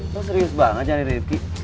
lo serius banget cari rivki